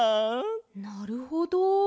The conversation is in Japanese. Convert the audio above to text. なるほど。